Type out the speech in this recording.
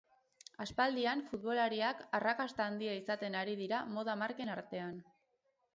Aspaldian futbolariak arrakasta handia izaten ari dira moda marken artean.